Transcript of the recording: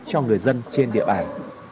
cho người dân trên địa bàn